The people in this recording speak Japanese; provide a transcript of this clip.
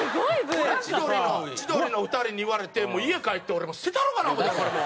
これ千鳥の２人に言われて家帰って俺捨てたろうかな思うてこれもう。